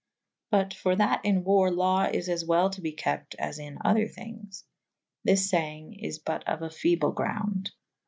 But for that in warre lawe is as well to be kept as in other thynges. This sayeng is but of a feble grounde.